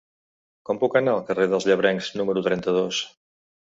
Com puc anar al carrer dels Llebrencs número trenta-dos?